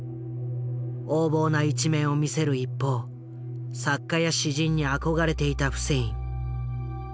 横暴な一面を見せる一方作家や詩人に憧れていたフセイン。